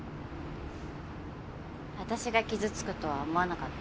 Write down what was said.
私が傷つくとは思わなかった？